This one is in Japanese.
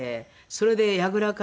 それでやぐらから。